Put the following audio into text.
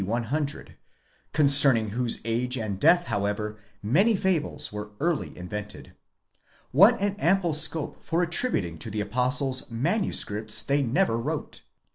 100; concerning whose age and death, however, many fables were early invented. What an ample scope for attributing to the Apostles manuscripts they never wrote!